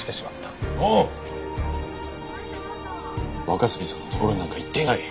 若杉さんのところになんか行っていない！